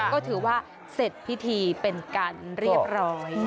ก็ถือว่าเสร็จพิธีเป็นการเรียบร้อย